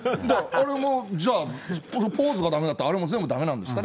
あれもじゃあ、ポーズがだめだったら、あれも全部だめなんですか。